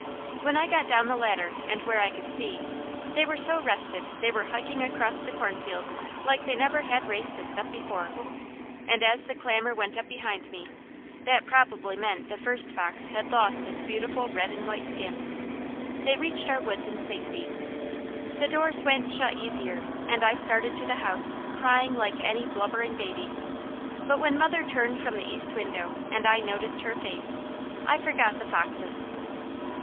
When I got down the ladder and where I could see, they were so rested they were hiking across the cornfield like they never had raced a step before; and as the clamour went up behind me, that probably meant the first fox had lost its beautiful red and white skin, they reached our woods in safety. The doors went shut easier, and I started to the house crying like any blubbering baby; but when mother turned from the east window, and I noticed her face, I forgot the foxes.